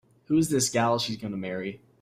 Who's this gal she's gonna marry?